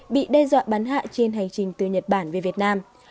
bị đe dọa bắn hạ trên hành trình từ nhật bản về việt nam